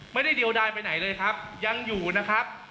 เดียวดายไปไหนเลยครับยังอยู่นะครับ